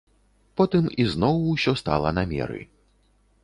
Потым ізноў усё стала на меры.